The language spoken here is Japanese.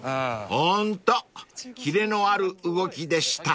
［ホントキレのある動きでした］